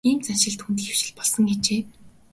Ийм заншил түүнд хэвшил болсон ажээ.